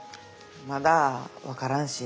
まだ分からんし。